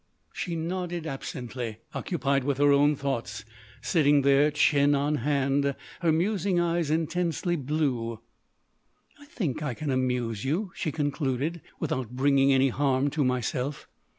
She nodded absently, occupied with her own thoughts, sitting there, chin on hand, her musing eyes intensely blue. "I think I can amuse you," she concluded, "without bringing any harm to myself."